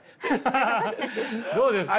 どうですか？